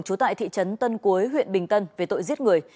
trú tại thị trấn tân cuối huyện bình tân về tội giết người